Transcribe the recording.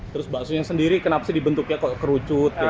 terus basunya sendiri kenapa dibentuknya kerucut